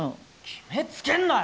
決めつけんなよ！